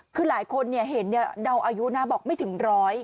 คือหลายคนเห็นเดาอายุนะบอกไม่ถึงร้อย